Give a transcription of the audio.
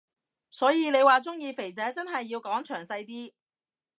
所以你話鍾意肥仔真係要講詳細啲